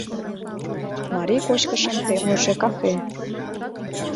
— Марий кочкышым темлыше кафе.